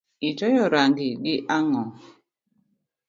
Itoyo rang’i gi ang’o?